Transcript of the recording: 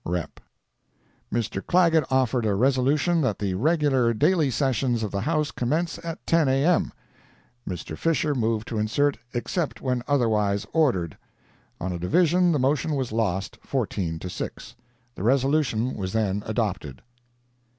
—REP.] Mr. Clagett offered a resolution that the regular daily sessions of the House commence at 10 A.M. Mr. Fisher moved to insert "except when otherwise ordered." On a division the motion was lost—14 to 6. The resolution was then adopted.